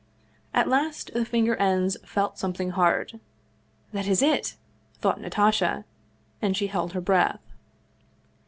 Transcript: At last the finger ends felt something hard. " That is it !" thought Natasha, and she held her breath.